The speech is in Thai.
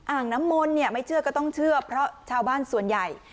อ่างน้ำมนต์เนี่ยไม่เชื่อก็ต้องเชื่อเพราะชาวบ้านส่วนใหญ่